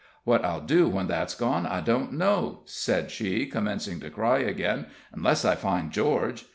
"What I'll do when that's gone I don't know," said she, commencing to cry again, "unless I find George.